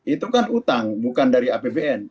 itu kan utang bukan dari apbn